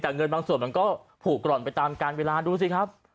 แต่เงินบางส่วนมันก็ผูกกร่อนไปตามการเวลาดูสิครับ